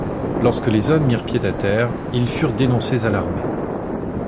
Lorsque les hommes mirent pied à terre ils furent dénoncés à l'armée.